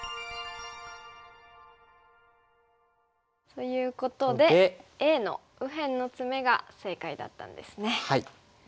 ということでＡの右辺のツメが正解だったんですね。